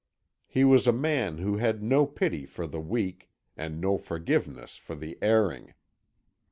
He was a man who had no pity for the weak, and no forgiveness for the erring.